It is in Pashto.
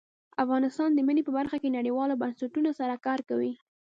افغانستان د منی په برخه کې نړیوالو بنسټونو سره کار کوي.